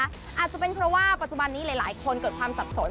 อาจจะเป็นเพราะว่าปัจจุบันนี้หลายคนเกิดความสับสน